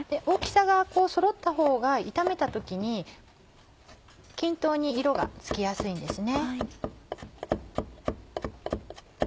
大きさがそろったほうが炒めた時に均等に色がつきやすいんですね。